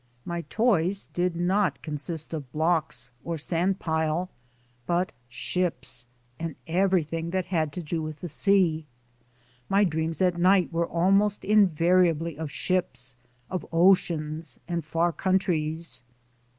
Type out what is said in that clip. My toys did not consist of blocks or sand pile, but ships and everything that had to do with the sea. My dreams at night were almost inva riably of ships, of oceans and far countries.